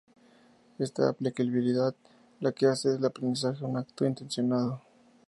Es la aplicabilidad la que hace del aprendizaje un acto intencionado.